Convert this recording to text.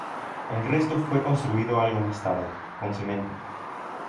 El resto fue construido algo más tarde, con cemento.